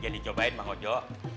jadi cobain bang hojo